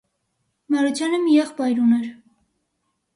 Մարությանը մի եղբայր ուներ.